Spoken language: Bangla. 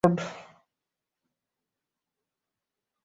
সেন্ট লুইসে চতুর্থ মৌসুমে তাদের প্রধান কোচ ছিলেন ট্রেভিস ফোর্ড।